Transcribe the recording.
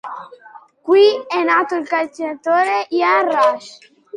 Qui è nato il calciatore Ian Rush.